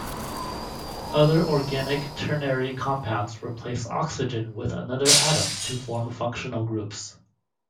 Other organic ternary compounds replace oxygen with another atom to form functional groups.